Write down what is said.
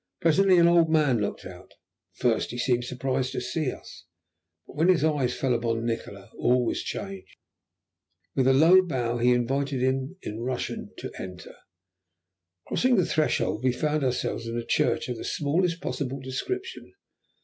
Presently an old man looked out. At first he seemed surprised to see us, but when his eyes fell upon Nikola all was changed. With a low bow he invited him, in Russian, to enter. Crossing the threshold we found ourselves in a church of the smallest possible description.